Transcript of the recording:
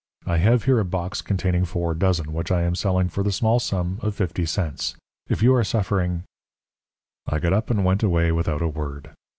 I have here a box containing four dozen, which I am selling for the small sum of fifty cents. If you are suffering " I got up and went away without a word.